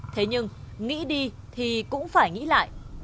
thế nhưng nghĩ đi thì cũng phải nghĩ lại